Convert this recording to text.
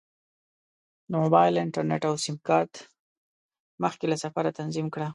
د موبایل انټرنیټ او سیم کارت مخکې له سفره تنظیم کړه.